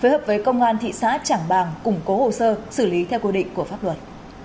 với hợp với công an thị xã trảng bàng củng cố hồ sơ xử lý theo quy định của pháp luật